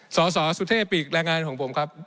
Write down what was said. สสสุเทพปีกแรงงานของผมครับ